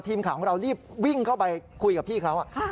ทีมข่าวของเรารีบวิ่งเข้าไปคุยกับพี่เขา